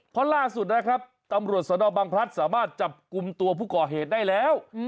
เพราะล่าสุดนะครับตำรวจสนบังพลัดสามารถจับกลุ่มตัวผู้ก่อเหตุได้แล้ว